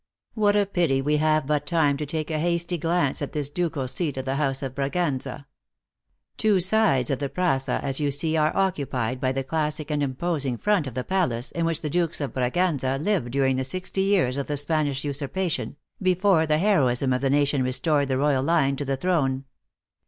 What a pity we have but time to take a hasty glance at this ducal seat of the house of Braganza. Two sides of ihepraga, as you see, are occupied by the classic and imposing front of the 132 THE ACTRESS IN HIGH LIFE. palace in which the dukes of Braganza lived during the sixty years of the Spanish usurpation, before the heroism of the nation restored the royal line to the throne."